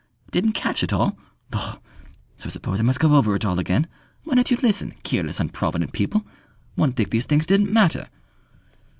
_ Didn't catch it all? Lor! So suppose I must go over it all again. Why don't you listen? Keerless, unprovident people! One'd think these things didn't matter."